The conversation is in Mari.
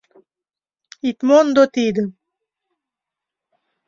Ит мондо тидым.